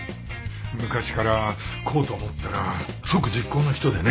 昔からこうと思ったら即実行の人でね。